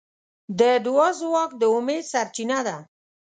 د دعا ځواک د امید سرچینه ده.